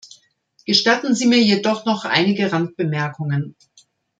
Gestatten Sie mir jedoch noch einige Randbemerkungen.